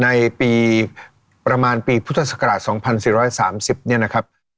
ในปีประมาณปีพุทธศักราช๒๔๓๐เนี่ยนะครับ